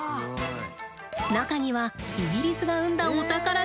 中にはイギリスが生んだお宝が入っています。